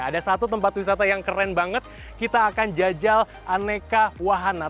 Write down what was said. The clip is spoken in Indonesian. ada satu tempat wisata yang keren banget kita akan jajal aneka wahana